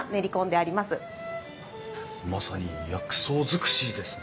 まさに薬草尽くしですね。